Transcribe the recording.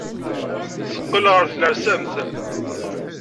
Teqqel ɣer tnersamt.